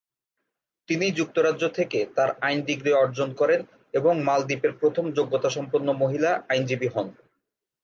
তিনি যুক্তরাজ্য থেকে তার আইন ডিগ্রী অর্জন করেন এবং মালদ্বীপের প্রথম যোগ্যতাসম্পন্ন মহিলা আইনজীবী হন।